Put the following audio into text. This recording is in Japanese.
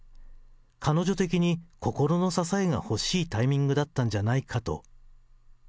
彼女的に心の支えが欲しいタイミングだったんじゃないかと。